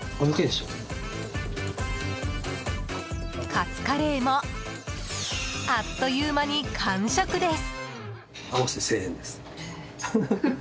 カツカレーもあっという間に完食です。